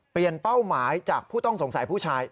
เป้าหมายจากผู้ต้องสงสัยผู้ชาย